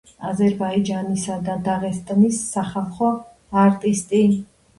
აზერბაიჯანისა და დაღესტნის სახალხო არტისტი.